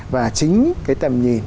và chính cái tầm nhìn